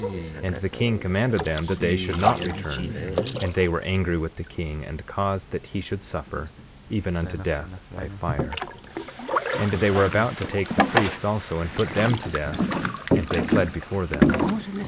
19:20 And the king commanded them that they should not return; and they were angry with the king, and caused that he should suffer, even unto death by fire. 19:21 And they were about to take the priests also and put them to death, and they fled before them.